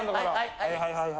はいはいはいはい。